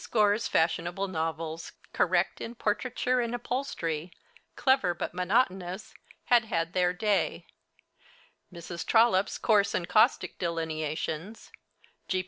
Gore's fashionable novels, correct in portraiture and upholstery, clever but monotonous, had had their day; Mrs. Trollope's coarse and caustic delineations; G.